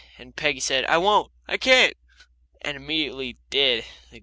And Peggy said, "I won't I can't," and immediately did, the goose.